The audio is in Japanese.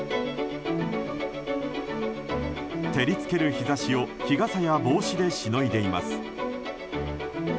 照り付ける日差しを日傘や帽子でしのいでいます。